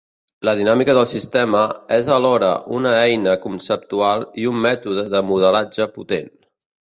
La dinàmica del sistema és alhora una eina conceptual i un mètode de modelatge potent.